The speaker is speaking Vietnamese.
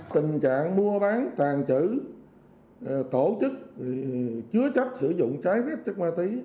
tình trạng mua bán tàn trữ tổ chức chứa chấp sử dụng trái phép chất ma túy